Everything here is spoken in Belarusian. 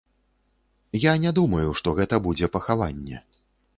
Я не думаю, што гэта будзе пахаванне.